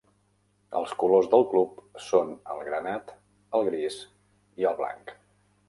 Els colors del club són el granat, el gris i el blanc.